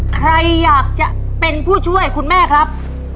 ใครอยากจะเป็นผู้ช่วยคุณแม่ครับ